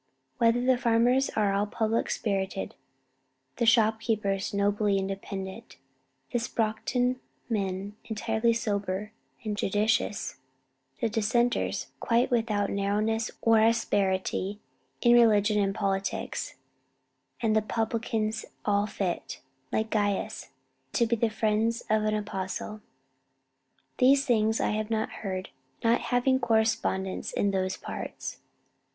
Whether the farmers are all public spirited, the shopkeepers nobly independent, the Sproxton men entirely sober and judicious, the Dissenters quite without narrowness or asperity in religion and politics, and the publicans all fit, like Gaius, to be the friends of an apostle these things I have not heard; not having correspondence in those parts.